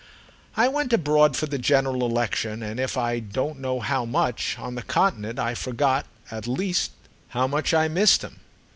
I went abroad for the general election, and if I don't know how much, on the Continent, I forgot, I at least know how much I missed, him.